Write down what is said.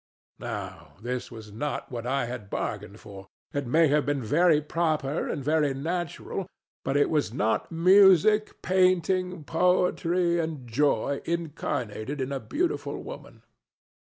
Now this was not what I had bargained for. It may have been very proper and very natural; but it was not music, painting, poetry and joy incarnated in a beautiful woman.